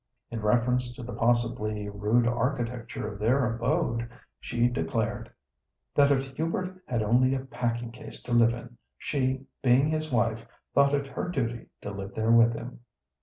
In reference to the possibly rude architecture of their abode, she declared "that if Hubert had only a packing case to live in, she, being his wife, thought it her duty to live there with him."